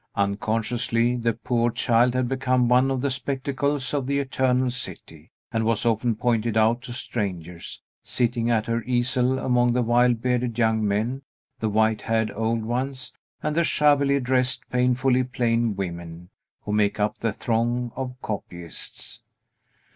Unconsciously, the poor child had become one of the spectacles of the Eternal City, and was often pointed out to strangers, sitting at her easel among the wild bearded young men, the white haired old ones, and the shabbily dressed, painfully plain women, who make up the throng of copyists.